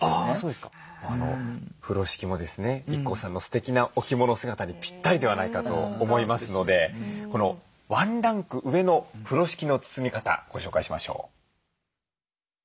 あそうですか。風呂敷もですねＩＫＫＯさんのすてきなお着物姿にぴったりではないかと思いますのでこのワンランク上の風呂敷の包み方ご紹介しましょう。